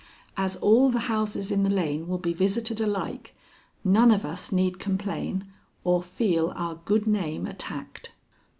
As all the houses in the lane will be visited alike, none of us need complain or feel our good name attacked."